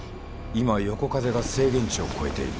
今横風が制限値を超えている。